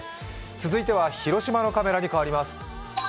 続いては広島のカメラに変わります。